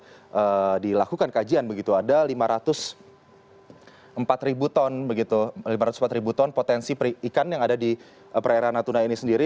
saat dilakukan kajian begitu ada lima ratus empat ton potensi ikan yang ada di perairan natuna ini sendiri